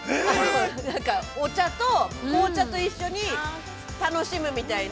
お茶と紅茶と一緒に楽しむみたいな。